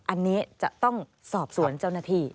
อันนี้จะต้องสอบสวนเจ้าหน้าที่